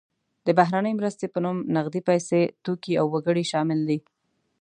د بهرنۍ مرستې په نوم نغدې پیسې، توکي او وګړي شامل دي.